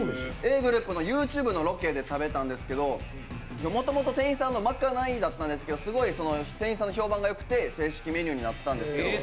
ｇｒｏｕｐのＹｏｕＴｕｂｅのロケで食べたんですけど、もともと店員さんのまかないだったんですけど店員さんの評判が良くて正式メニューになったんですけど